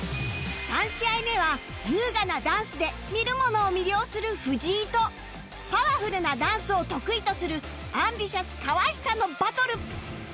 ３試合目は優雅なダンスで見る者を魅了する藤井とパワフルなダンスを得意とする ＡｍＢｉｔｉｏｕｓ 河下のバトル